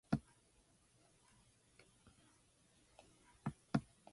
At Final Resolution, she ran into Raven after he lost his match.